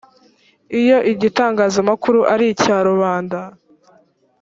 iyo igitangazamakuru ari icya rubanda